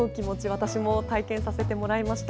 私も体験させてもらいました。